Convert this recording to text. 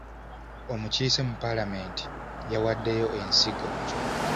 Omukiise mu paalamenti yawaddeyo ensigo.